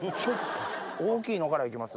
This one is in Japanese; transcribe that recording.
大きいのから行きます？